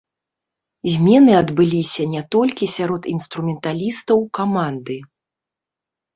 Змены адбыліся не толькі сярод інструменталістаў каманды.